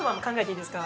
いいですか？